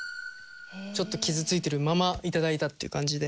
ちょっと傷ついてるままいただいたっていう感じで。